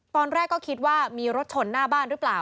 ตอนแรกก็คิดว่ามีรถชนหน้าบ้านหรือเปล่า